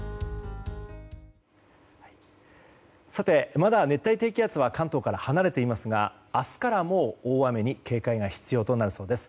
まだ熱帯低気圧は関東から離れていますが明日からもう大雨に警戒が必要となりそうです。